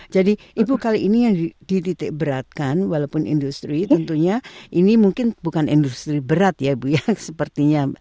jadi ibu kali ini yang diditik beratkan walaupun industri tentunya ini mungkin bukan industri berat ya ibu ya sepertinya